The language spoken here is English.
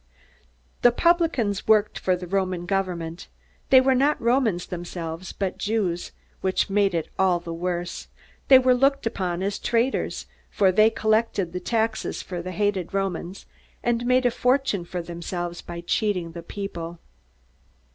The publicans worked for the Roman government. They were not Romans themselves, but Jews, which made it all the worse. They were looked upon as traitors, for they collected the taxes for the hated Romans, and made a fortune for themselves by cheating the people.